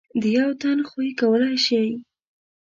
د یو تن خو یې کولای شئ .